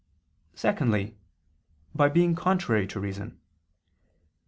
Secondly, by being contrary to reason.